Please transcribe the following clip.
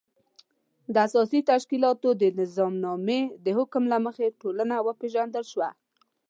د اساسي تشکیلاتو د نظامنامې د حکم له مخې ټولنه وپېژندل شوه.